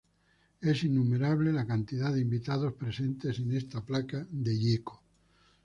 Es innumerable la cantidad de invitados presentes en esta placa de Gieco.